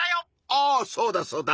あそうだそうだ